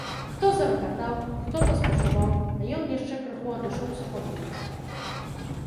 Хто зарагатаў, хто паспачуваў, а ён яшчэ крыху адышоўся падумаць.